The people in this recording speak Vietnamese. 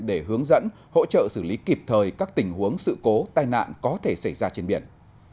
để hướng dẫn hỗ trợ xử lý kịp thời các tình huống sự cố tai nạn có thể xảy ra trên biển